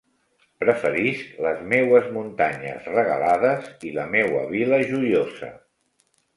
Preferisc les meues muntanyes regalades i la meua Vila Joiosa!